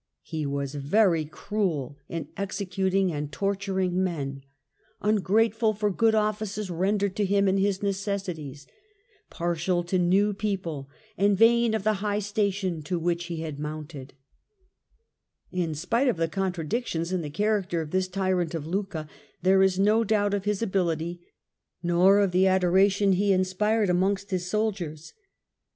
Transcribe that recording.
... He was very cruel in executing and torturing men, ungrateful for good offices rendered to him in his necessities, partial to new people and vain of the high station to which he had mounted," In spite of the contradictions in the character of this tyrant of Lucca, there is no doubt of his ability nor of the adoration he inspired amongst his soldiers.